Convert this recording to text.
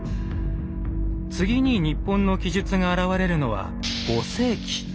次に日本の記述が現れるのは５世紀。